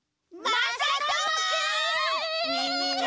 まさともくん！